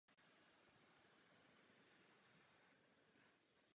Ovšem jako "Copa de la Liga" je považována pouze soutěž v rámci Primera División.